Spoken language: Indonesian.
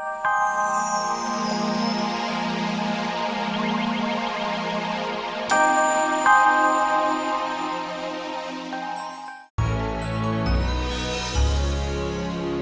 aku seorang yang mieja